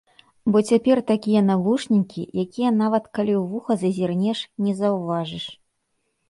Бо цяпер такія навушнікі, якія нават калі ў вуха зазірнеш, не заўважыш.